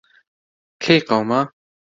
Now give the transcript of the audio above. کەی قەوما؟